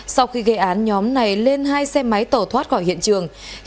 sau khi gây án nhóm này lên hai xe máy tẩu thoát khỏi hiện trường